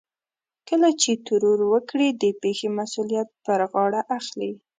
کله چې ترور وکړي د پېښې مسؤليت پر غاړه اخلي.